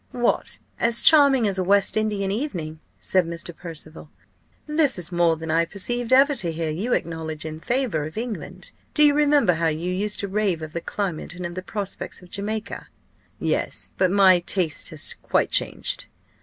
"What! as charming as a West Indian evening?" said Mr. Percival. "This is more than I expected ever to hear you acknowledge in favour of England. Do you remember how you used to rave of the climate and of the prospects of Jamaica?" "Yes, but my taste has quite changed."